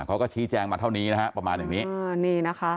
เขาก็ชี้แจ้งมาเท่านี้นะครับประมาณอย่างนี้